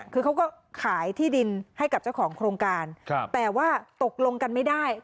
คือเขาก็ขายที่ดินให้กับเจ้าของโครงการแต่ว่าตกลงกันไม่ได้